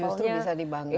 itu justru bisa dibanggakan